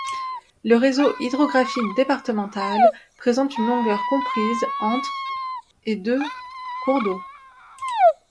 Le réseau hydrographique départemental présente une longueur comprise entre et de cours d'eau.